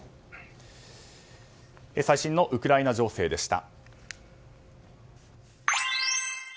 最新のウクライナ情勢でした。